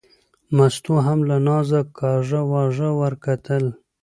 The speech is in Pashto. مستو هم له نازه کاږه واږه ور وکتل.